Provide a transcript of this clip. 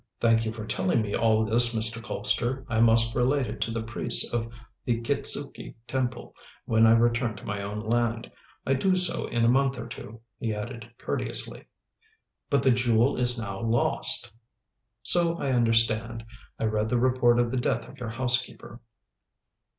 "Thank you for telling me all this, Mr. Colpster. I must relate it to the priests of the Kitzuki Temple, when I return to my own land. I do so in a month or two," he added courteously. "But the Jewel is now lost!" "So I understand. I read the report of the death of your housekeeper."